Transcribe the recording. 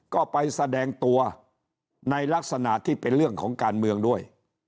ก็ไปแสดงตัวในลักษณะที่เป็นเรื่องของการเมืองด้วย